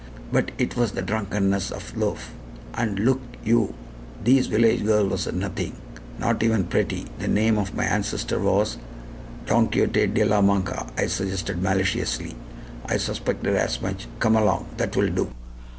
But it was the drunkenness of lofe. And, look you, thees village girl was a nothing, not even pretty. The name of my ancestor was " "Don Quixote de La Mancha," I suggested maliciously. "I suspected as much. Come along. That will do."